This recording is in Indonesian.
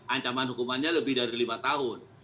ancaman hukumannya lebih dari lima tahun